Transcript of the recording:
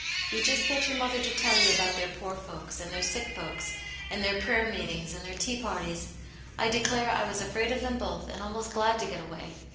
You just get your mother to tell you about their poor folks, and their sick folks, and their prayer meetings and their tea parties ; I declare I was afraid of them both, and almost glad to get away.